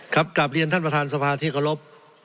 ครับกลับเรียนท่านประธานสภาที่กระลบ